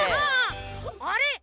あれ？